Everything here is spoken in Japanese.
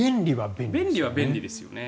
便利は便利ですよね。